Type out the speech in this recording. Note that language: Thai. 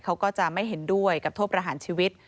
เขาก็จะไม่เห็นด้วยกับโทษประหารชีวิต